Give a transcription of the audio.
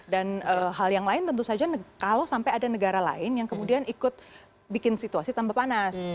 dan hal yang lain tentu saja kalau sampai ada negara lain yang kemudian ikut bikin situasi tambah panas